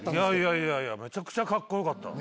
いやいやめちゃくちゃかっこよかった。